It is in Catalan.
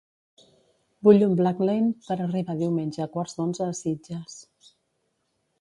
Vull un Blacklane per arribar diumenge a quarts d'onze a Sitges.